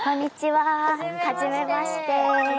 はじめまして。